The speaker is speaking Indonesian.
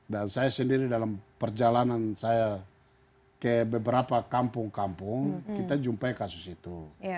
dan saya sendiri dalam perjalanan saya ke beberapa kampung kampung kita jumpai kasus itu